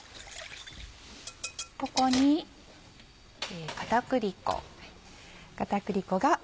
ここに片栗粉。